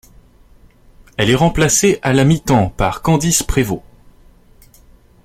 Elle est remplacée à la mi-temps par Candice Prévost.